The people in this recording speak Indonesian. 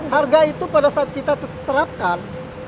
harga itu pada saat kita terapkan